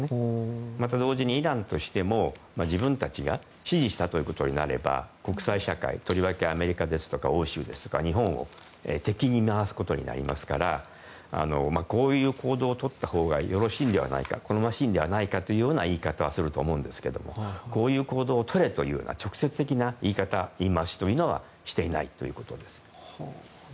また同時にイランとしても自分たちが指示したということになれば国際社会とりわけアメリカや欧州や日本を敵に回すことになりますからこういう行動をとったほうがよろしいのではないか好ましいのではないかという言い方をすると思うんですがこういう行動をとれというような直接的な言い方、言い回しはしていないということです。